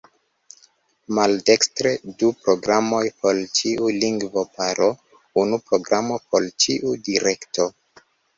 Maldekstre: Du programoj por ĉiu lingvo-paro, unu programo por ĉiu direkto.